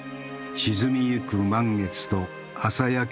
沈みゆく満月と朝焼けの富士。